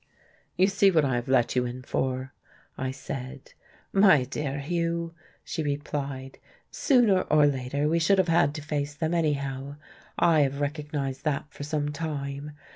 "You see what I have let you in for?" I said. "My dear Hugh," she replied, "sooner or later we should have had to face them anyhow. I have recognized that for some time.